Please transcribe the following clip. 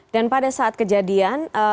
dan pada saat kejadian